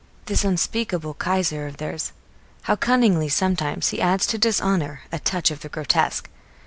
This unspeakable Kaiser of theirs, how cunningly sometimes he adds to dishonour a touch of the grotesque.